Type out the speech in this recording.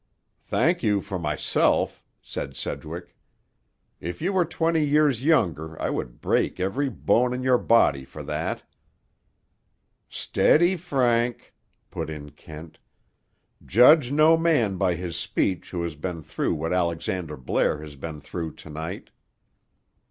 "Thank you for myself," said Sedgwick. "If you were twenty years younger I would break every bone in your body for that." "Steady, Frank," put in Kent. "Judge no man by his speech who has been through what Alexander Blair has been through to night.